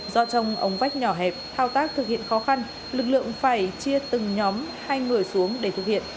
do trong ống vách nhỏ hẹp thao tác thực hiện khó khăn lực lượng phải chia từng nhóm hai người xuống để thực hiện